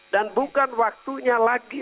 dan bukan waktunya lagi